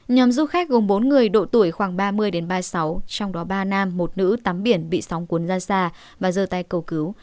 nhóm du khách gồm bốn người độ tuổi khoảng ba mươi ba mươi sáu trong đó ba nam một nữ tắm biển bị sóng cuốn ra xa và dơ tay cầu cứu